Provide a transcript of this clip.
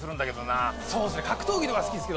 そうですね。